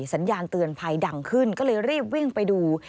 สัญญาณเตือนภัยดังขึ้นก็เลยรีบวิ่งไปดู